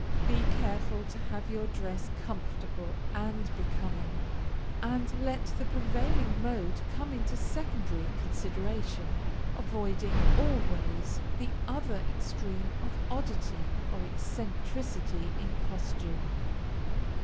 Be careful to have your dress comfortable and becoming, and let the prevailing mode come into secondary consideration; avoiding, always, the other extreme of oddity or eccentricity in costume.